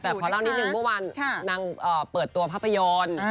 แต่ขอเล่านิดหนึ่งเมื่อวานนางเปิดตัวภาพยนตร์